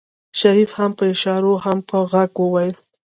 شريف هم په اشارو هم په غږ وويل.